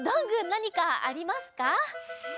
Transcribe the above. なにかありますか？